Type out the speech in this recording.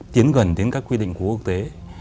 tiến gần đến các quy định của quốc tế